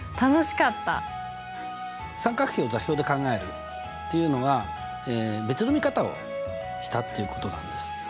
三角比を座標で考えるっていうのが別の見方をしたっていうことなんです。